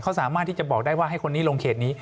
เขาสามารถที่จะบอกได้ว่าให้คนนี้ลงเขตนี้